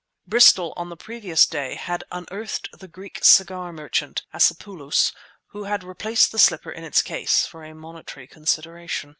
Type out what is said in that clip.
Bristol, on the previous day, had unearthed the Greek cigar merchant, Acepulos, who had replaced the slipper in its case (for a monetary consideration).